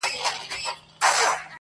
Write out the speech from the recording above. هره شېبه درس د قربانۍ لري.!